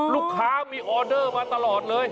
ลูกค้ามีออเดอร์มาตลอดเลย